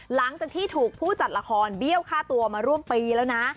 หลังจากที่ถูกผู้จัดละครเบี้ยวฆ่าตัวมาร่วมปีแล้วนะ